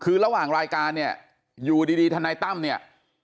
คือระหว่างรายการเนี่ยอยู่ดีทนายตั้มเนี่ย